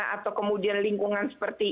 atau kemudian lingkungan seperti